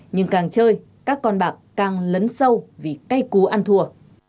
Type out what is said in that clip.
nhưng càng chơi các con bạc càng lấn sâu vì cây cú ăn thùa